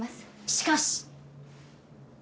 しかし！